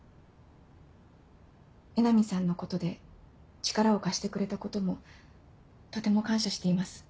江波さんのことで力を貸してくれたこともとても感謝しています。